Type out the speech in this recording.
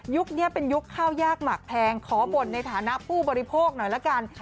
นี้เป็นยุคข้าวยากหมักแพงขอบ่นในฐานะผู้บริโภคหน่อยละกัน